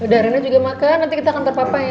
udah rena juga makan nanti kita ke kantor papa ya